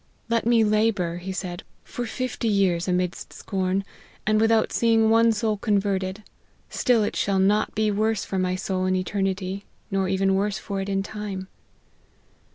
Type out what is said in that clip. " Let me labour," he said " for fifty years, amidst scorn, and without seeing one soul converted ; still it shall not be worse for my soul in eternity, nor even worse for it in time."